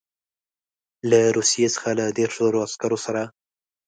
له روسیې څخه له دېرشو زرو عسکرو سره.